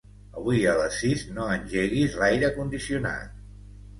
Avui a les sis no engeguis l'aire condicionat.